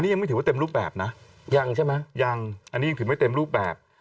ยังไม่ถือว่าเต็มรูปแบบนะยังใช่ไหมยังอันนี้ยังถือไม่เต็มรูปแบบ